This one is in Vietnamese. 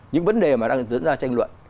những vấn đề mà đang dẫn ra tranh luận